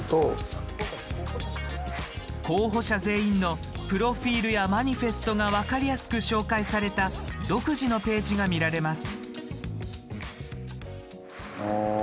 候補者全員のプロフィールやマニフェストが分かりやすく紹介された独自のページが見られます。